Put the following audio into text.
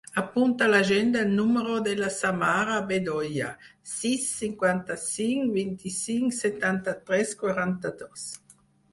Apunta a l'agenda el número de la Samara Bedoya: sis, cinquanta-cinc, vint-i-cinc, setanta-tres, quaranta-dos.